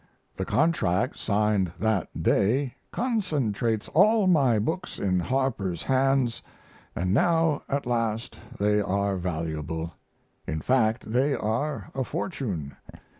The contract signed that day concentrates all my books in Harper's hands & now at last they are valuable; in fact they are a fortune.